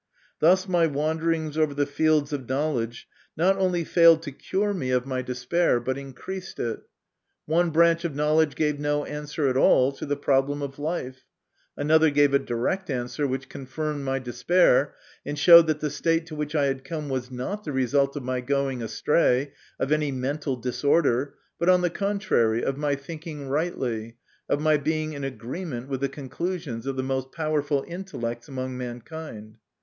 Thus my wanderings over the fields of knowledge not only failed to cure me of my MY CONFESSION. 65 despair, but increased it. One branch of know ledge gave no answer at all to the problem of life, another gave a direct answer which confirmed my despair, and showed that the state to which I had come was not the result of my going astray, of any mental disorder, but, on the contrary, of my thinking rightly, of my being in agreement with the conclusions of the most powerful intellects among mankind.